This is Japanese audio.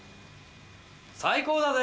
最高だぜ。